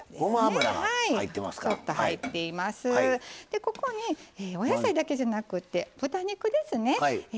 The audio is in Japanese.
でここにお野菜だけじゃなくて豚肉ですね。